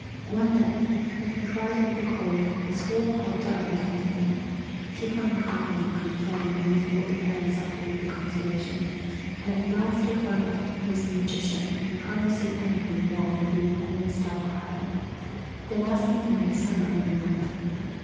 "One day when he cried with the cold, a squirrel hopped up and told him, 'Keep on crying and complaining no matter what your parents offer you for consolation, and at last your father, who is a magician, will promise you anything you want if you will only stop crying. Then ask him to make Summer in the land!